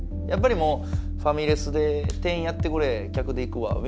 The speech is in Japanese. やっぱりもうファミレスで店員やってくれ客でいくわ。